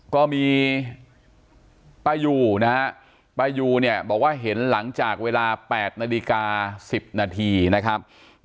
ก็มีป้ายูนะฮะป้ายูเนี่ยบอกว่าเห็นหลังจากเวลา๘นาฬิกา๑๐นาทีนะครับ